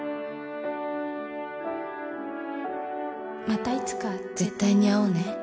「またいつか絶対に会おうね」